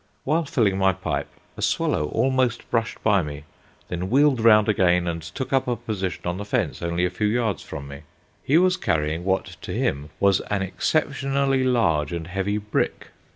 While filling my pipe, a swallow almost brushed by me, then wheeled round again, and took up a position on the fence only a few yards from me. He was carrying what to him was an exceptionally large and heavy brick.